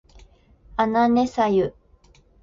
あなねさゆ